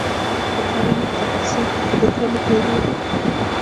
د کرنې متخصصان هم په دې کار نه پوهیږي.